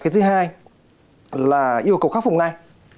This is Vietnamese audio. thứ hai là yêu cầu khắc phục ngay